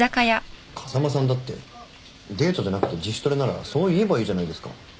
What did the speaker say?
風間さんだってデートじゃなくて自主トレならそう言えばいいじゃないですか。